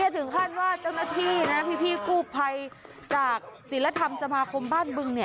ถึงขั้นว่าเจ้าหน้าที่นะพี่กู้ภัยจากศิลธรรมสมาคมบ้านบึง